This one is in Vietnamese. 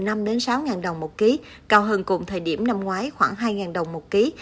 năng suất dưa hấu bình quân đạt từ hai đồng đến sáu đồng một ký cao hơn cùng thời điểm năm ngoái khoảng hai đồng một ký